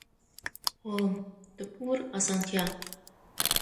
اووم: د پور اسانتیا.